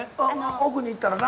奥に行ったらな。